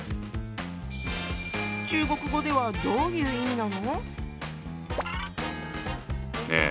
中国語ではどういう意味なの？